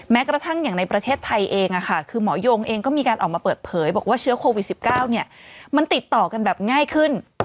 แม้กระทั่งอย่างในประเทศไทยเองคือหมอยงเองก็มีการออกมาเปิดเผยบอกว่าเชื้อโควิด๑๙มันติดต่อกันแบบง่ายขึ้น